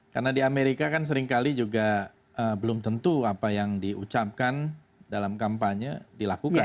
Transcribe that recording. karena di amerika kan seringkali juga belum tentu apa yang diucapkan dalam kampanye dilakukan